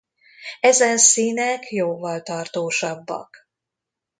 Ezen színek jóval tartósabbak.